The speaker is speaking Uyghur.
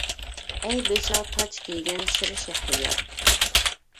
-ئەي بېشىغا تاج كىيگەن شىر شەھرىيار!